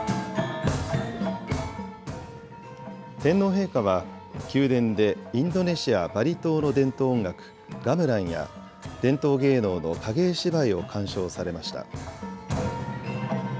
天皇陛下は、宮殿でインドネシア・バリ島の伝統音楽、ガムランや伝統芸能の影絵芝居を鑑賞されました。